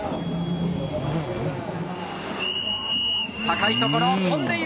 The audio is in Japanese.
高いところを飛んでいる！